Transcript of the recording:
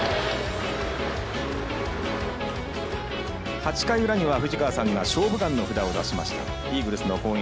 ８回裏には藤川さんが「勝負眼」の札を出しましたイーグルスの攻撃。